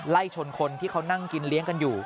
ไล่ชนคนที่เขานั่งกินเลี้ยงกันอยู่